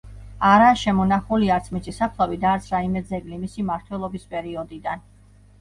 არაა შემონახული არც მისი საფლავი და არც რაიმე ძეგლი მისი მმართველობის პერიოდიდან.